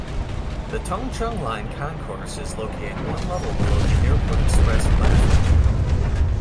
The Tung Chung Line concourse is located one level below the Airport Express platform.